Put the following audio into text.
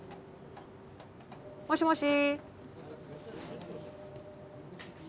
もしもし？